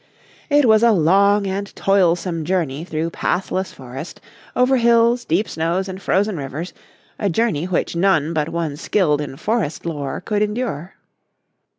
It was a long and toilsome journey through pathless forest, over hills, deep snows and frozen rivers, a journey which none but one skilled in forest lore could endure.